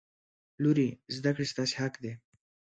لورې! زده کړې ستاسې حق دی.